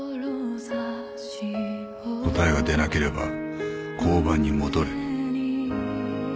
答えが出なければ交番に戻れ。